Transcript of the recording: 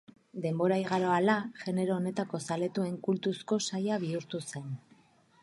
Denbora igaro hala, genero honetako zaletuen kultuzko saila bihurtu zen.